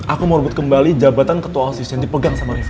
aku mau rebut kembali jabatan ketua osius yang dipegang sama reza